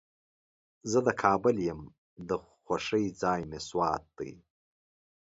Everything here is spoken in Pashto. زه د کابل یم، د خوښې ځای مې سوات دی.